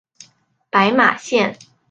白马线